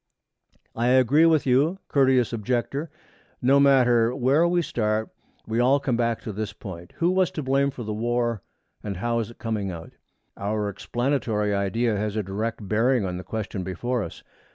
'I agree with you, courteous Objector. No matter where we start, we all come back to this point: Who was to blame for the War, and how is it coming out? Our explanatory idea has a direct bearing on the question before us.